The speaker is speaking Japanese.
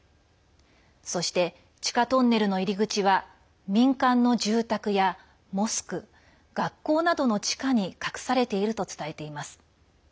そして、地下トンネルの入り口は民間の住宅やモスク学校などの地下に隠されていると伝えています。